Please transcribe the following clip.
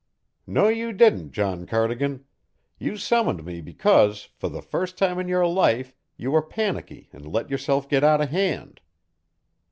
"No, you didn't, John Cardigan. You summoned me because, for the first time in your life, you were panicky and let yourself get out of hand."